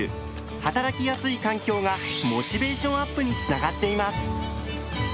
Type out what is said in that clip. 働きやすい環境がモチベーションアップにつながっています。